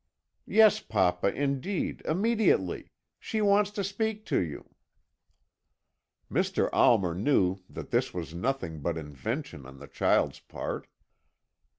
Yes, papa, indeed, immediately! She wants to speak to you.' "Mr. Almer knew that this was nothing but invention on the child's part.